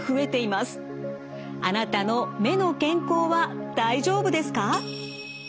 あなたの目の健康は大丈夫ですか？